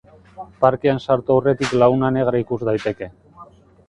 Parkean sartu aurretik Laguna Negra ikus daiteke.